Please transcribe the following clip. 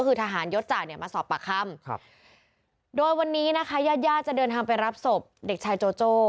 คือทหารยศจ่าเนี่ยมาสอบปากคำครับโดยวันนี้นะคะญาติญาติจะเดินทางไปรับศพเด็กชายโจโจ้